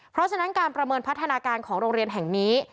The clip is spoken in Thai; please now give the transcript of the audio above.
เพราะฉะนั้นการประเมินพัฒนาการของโรงเรียนแห่งนี้